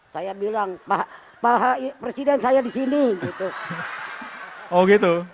saya bilang pak presiden saya di sini gitu